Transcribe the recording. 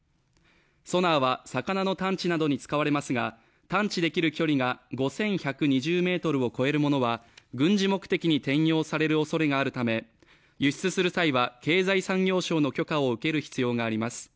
ソナーは、魚の探知などに使われますが、探知できる距離が５１２０ｍを超えるものは軍事目的に転用されるおそれがあるため、輸出する際は、経済産業省の許可を受ける必要があります。